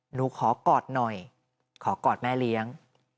หนูขอกอดหน่อยขอกอดแม่เลี้ยง